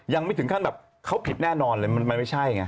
ยังไม่ถึงขั้นแบบเขาผิดแน่นอนเลยมันไม่ใช่ไง